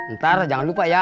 ntar jangan lupa ya